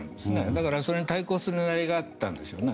だからそれに対抗する狙いがあったんですよね。